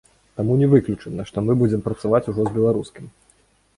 Таму не выключана, што мы будзем працаваць ужо з беларускім.